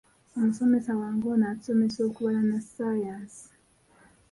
Omusomesa wange ono atusomesa okubala na ssaayansi.